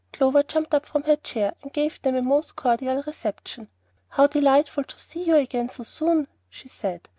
Clover jumped up from her chair, and gave them a most cordial reception. "How delightful to see you again so soon!" she said.